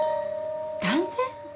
男性？